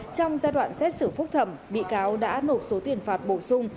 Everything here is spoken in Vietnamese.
trong giai đoạn xét xử phúc thẩm bị cáo đã nộp số tiền phạt bổ sung